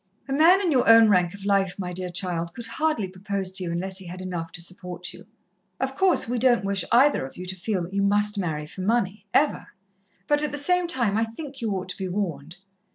"A man in your own rank of life, my dear child, could hardly propose to you unless he had enough to support you. Of course, we don't wish either of you to feel that you must marry for money, ever, but at the same time I think you ought to be warned.